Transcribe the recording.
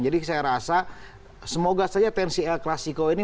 jadi saya rasa semoga saja tncl classico ini